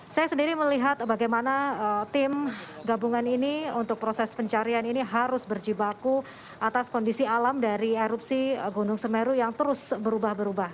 saya sendiri melihat bagaimana tim gabungan ini untuk proses pencarian ini harus berjibaku atas kondisi alam dari erupsi gunung semeru yang terus berubah berubah